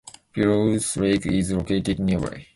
Belews Lake is located nearby.